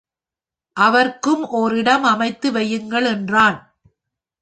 அவர்க்கும் ஒர் இடம் அமைத்து வையுங்கள், என்றான்.